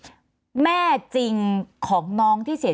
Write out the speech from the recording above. เข้าที่ดูไม่ครับ